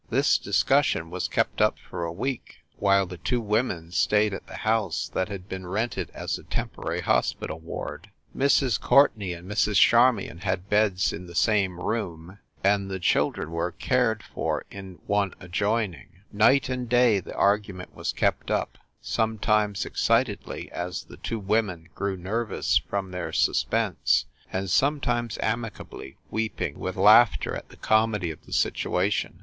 This discussion was kept up for a week, while the" two women stayed at the house that had been rented as a temporary hospital ward. Mrs. Courtenay and Mrs. Charmion had beds in the same room, and the children were cared for in one adjoining. Night and day that argument was kept up, sometimes excitedly, as the two women grew nervous from their sus pense, and sometimes amicably weeping with laugh ter at the comedy of the situation.